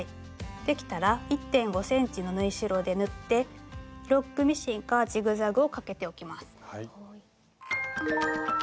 できたら１．５ｃｍの縫い代で縫ってロックミシンかジグザグをかけておきます。